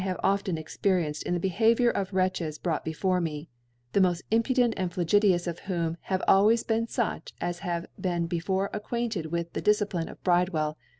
have^ften experienced in the Beha viour of the Wretches brought before me^ the moll impudent and flag.tious of whom, have always been fuch as have been before acoiuintcd with the Dil'cipline of Bridcrmll